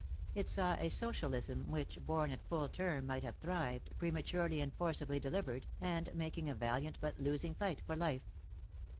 It saw a socialism which, born at full term might have thrived, prematurely and forcibly delivered, and making a valiant but losing fight for life.